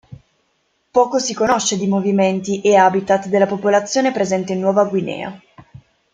Poco si conosce di movimenti e habitat della popolazione presente in Nuova Guinea.